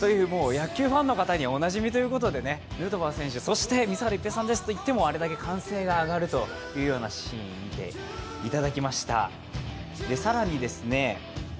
野球ファンの皆さんにはおなじみということでヌートバー選手、そして水原一平さんですと言ってもあれだけ歓声が上がるというシーンでした。